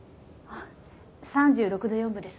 ３６度４分です。